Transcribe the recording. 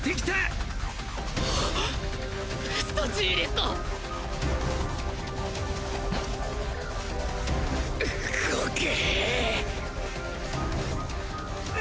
動け！！